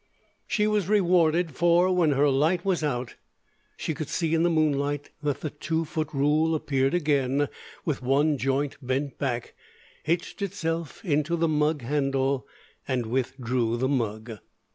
She was rewarded, for when her light was out, she could see in the moonlight that the two foot rule appeared again with one joint bent back, hitched itself into the mug handle, and withdrew the mug.